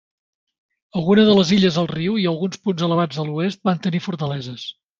Alguna de les illes al riu i alguns punts elevats a l'oest van tenir fortaleses.